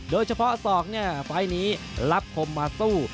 โดยเฉพาะส่องไฟล์นี้รับคมมาสู้